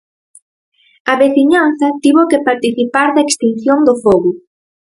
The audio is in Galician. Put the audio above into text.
A veciñanza tivo que participar da extinción do fogo.